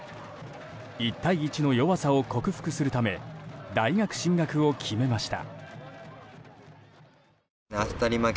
１対１の弱さを克服するため大学進学を決めました。